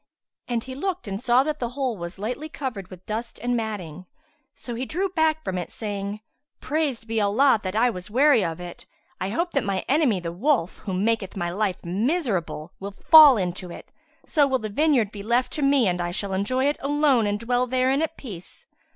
and he looked and saw that the hole was lightly covered with dust and matting. So he drew back from it saying, "Praised be Allah that I was wary of it! I hope that my enemy, the wolf, who maketh my life miserable, will fall into it; so will the vineyard be left to me and I shall enjoy it alone and dwell therein at peace."